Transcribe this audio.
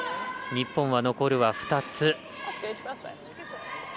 日本は残るは２つ。